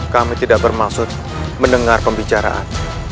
kami tidak bermaksud mendengar pembicaraan